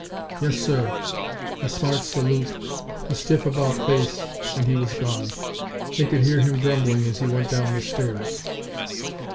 "Yes, sir." A smart salute, a stiff about face, and he was gone. They could hear him grumbling as he went down the stairs.